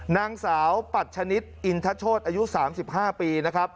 นางสาวปัชชนิสอิณฑชโชศอายุ๓๕ปี